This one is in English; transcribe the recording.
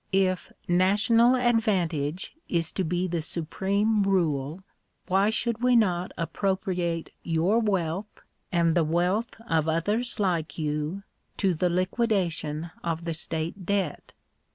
If ' national advantage' is to be the supreme rule, why should we not appropriate your wealth, and the wealth of others like you, to the liquidation of the state debt